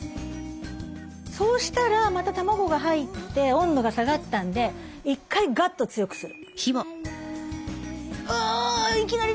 そうしたらまた卵が入って温度が下がったんで蓋をする。